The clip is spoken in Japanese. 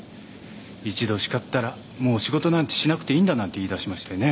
一度叱ったら「もう仕事なんてしなくていいんだ」なんて言いだしましてね。